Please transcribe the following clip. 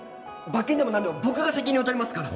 罰金でもなんでも僕が責任を取りますから！